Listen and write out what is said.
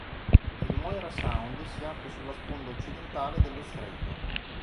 Il Moira Sound si apre sulla sponda occidentale dello stretto.